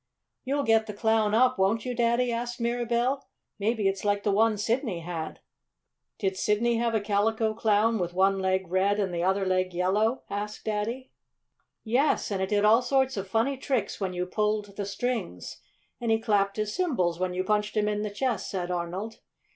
"You'll get the Clown up, won't you, Daddy?" asked Mirabell. "Maybe it's like the one Sidney had." "Did Sidney have a Calico Clown with one leg red and the other leg yellow?" asked Daddy. "Yes, and it did all sorts of funny tricks when you pulled the strings; and he clapped his cymbals when you punched him in the chest," said Arnold.